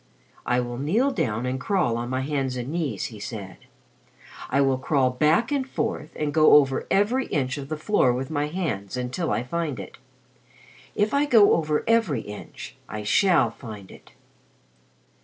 "I will kneel down and crawl on my hands and knees," he said. "I will crawl back and forth and go over every inch of the floor with my hands until I find it. If I go over every inch, I shall find it."